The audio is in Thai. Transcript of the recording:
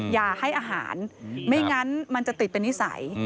อย่าให้อาหารไม่งั้นมันจะติดเป็นนิสัย